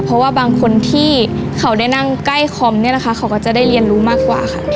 เพราะว่าบางคนที่เขาได้นั่งใกล้คอมเนี่ยนะคะเขาก็จะได้เรียนรู้มากกว่าค่ะ